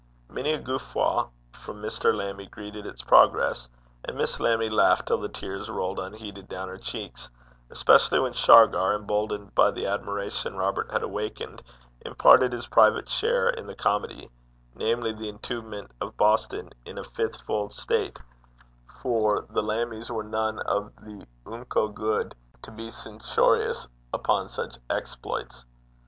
Many a guffaw from Mr. Lammie greeted its progress, and Miss Lammie laughed till the tears rolled unheeded down her cheeks, especially when Shargar, emboldened by the admiration Robert had awakened, imparted his private share in the comedy, namely, the entombment of Boston in a fifth fold state; for the Lammies were none of the unco guid to be censorious upon such exploits.